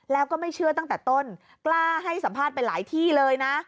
แล้วก็ไม่เชื่อตั้งแต่ต้นกล้าให้สัมภาษณ์ไปหลายที่เลยนะ